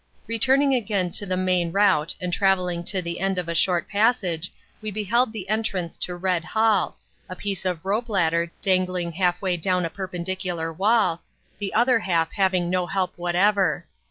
Returning again to the main route and traveling to the end of a short passage we beheld the entrance to Red Hall, a piece of rope ladder dangling half way down a perpendicular wall, the other half having no help whatever.